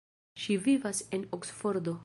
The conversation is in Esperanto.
Ŝi vivas en Oksfordo.